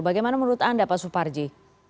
bagaimana menurut anda pak suparji